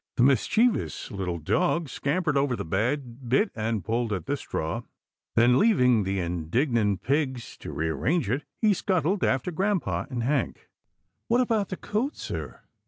The mischievous little dog scampered over the bed, bit and pulled at the straw, then, leaving the indignant pigs to re arrange it, he scuttled after grampa and Hank. " What about the coat, sir?